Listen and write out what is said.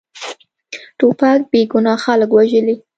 توپک بېګناه خلک وژلي.